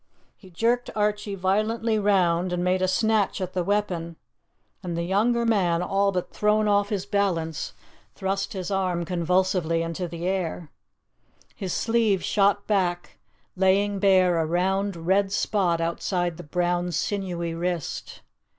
He jerked Archie violently round and made a snatch at the weapon, and the younger man, all but thrown off his balance, thrust his arm convulsively into the air. His sleeve shot back, laying bare a round, red spot outside the brown, sinewy wrist.